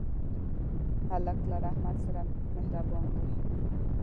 هلک له رحمت سره مهربان دی.